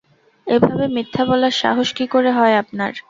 এভাবে মিথ্যা বলার সাহস কী করে হয় আপনার?